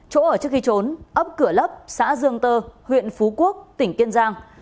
chỗ ở trước khi trốn ấp cửa lấp xã dương tơ huyện phú quốc tỉnh kiên giang